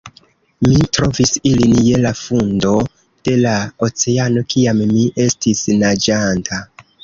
Mi trovis ilin je la fundo de la oceano kiam mi estis naĝanta